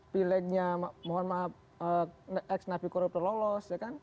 pilihnya mohon maaf ex nafi korup terlolos ya kan